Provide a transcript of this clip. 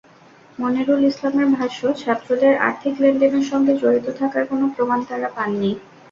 মনিরুল ইসলামের ভাষ্য, ছাত্রদের আর্থিক লেনদেনের সঙ্গে জড়িত থাকার কোনো প্রমাণ তাঁরা পাননি।